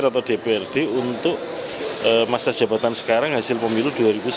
atau dprd untuk masa jabatan sekarang hasil pemilu dua ribu sembilan belas